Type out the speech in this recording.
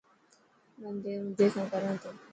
ننڊي هوندي کان ڪران تو.